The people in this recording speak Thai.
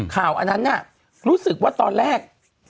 อันนั้นน่ะรู้สึกว่าตอนแรก